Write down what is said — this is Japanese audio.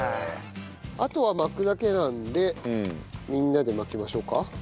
あとは巻くだけなのでみんなで巻きましょうか。